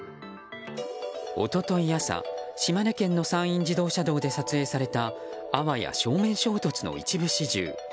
一昨日朝、島根県の山陰自動車道で撮影されたあわや正面衝突の一部始終。